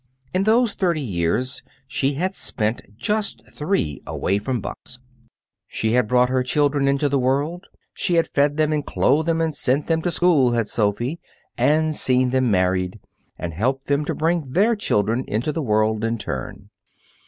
In those thirty years she had spent just three away from Buck's. She had brought her children into the world; she had fed them and clothed them and sent them to school, had Sophy, and seen them married, and helped them to bring their children into the world in turn.